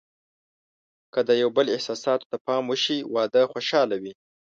که د یو بل احساساتو ته پام وشي، واده خوشحاله وي.